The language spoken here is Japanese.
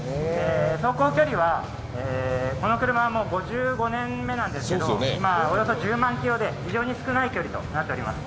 走行距離はこの車、５５年目なんですけど、この車およそ１０万ｋｍで非常に少ない距離となっております。